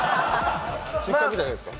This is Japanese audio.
失格じゃないんですか？